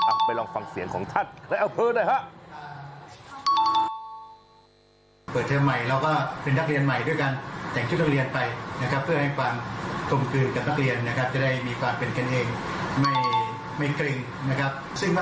อ้าวไปลองฟังเสียงของท่านและเอาเพลินนะครับ